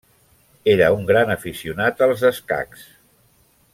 Era un gran aficionat als escacs.